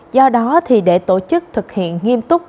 do đó để tổ chức thực hiện nghiêm túc